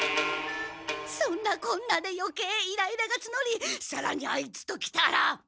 そんなこんなでよけいイライラがつのりさらにアイツときたら。